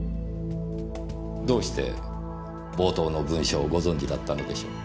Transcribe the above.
どうして冒頭の文章をご存じだったのでしょう？